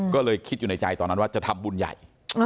ก็เลยคิดอยู่ในใจตอนนั้นว่าจะทำบุญใหญ่